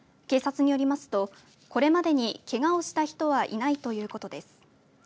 警察によりますと、これまでにけがをした人はいないということです。